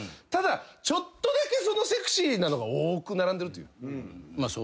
ただちょっとだけセクシーなのが多く並んでるという。